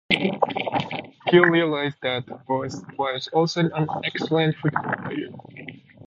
Few realize that Voss was also an excellent football player.